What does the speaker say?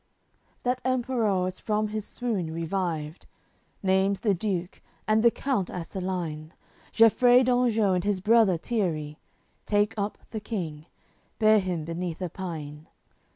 CCVI That Emperour is from his swoon revived. Naimes the Duke, and the count Aceline, Gefrei d'Anjou and his brother Tierry, Take up the King, bear him beneath a pine.